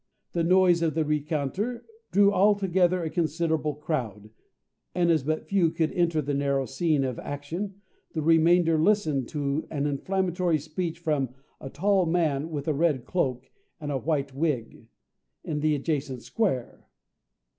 The noise of the rencontre drew together a considerable crowd, and as but few could enter the narrow scene of action, the remainder listened to an inflammatory speech from "a tall man, with a red cloak, and a white wig," in the adjacent square.